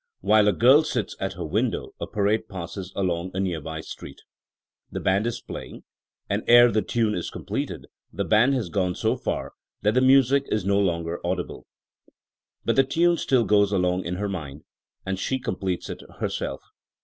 While a girl sits at her window a parade passes along a nearby street. The band is playing, and ere the tune is completed the band has gone so far that the music is no longer audible. But the tun^ stiU goes along in her mind, and she completes it herself.